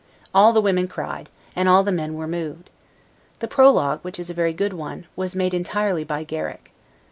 All the women cried, and all the men were moved. The prologue, which is a very good one, was made entirely by Garrick.